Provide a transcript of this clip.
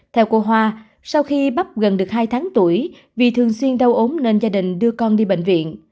theo cô hoa sau khi bắp gần được hai tháng tuổi vì thường xuyên đau ốm nên gia đình đưa con đi bệnh viện